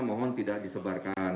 mohon tidak disebarkan